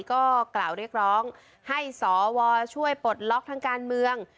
ก็กล่าวเรียกร้องให้สวช่วยปลดล็อกทางการเมือง